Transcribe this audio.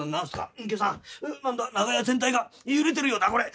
隠居さん何だ長屋全体が揺れてるよなこれ。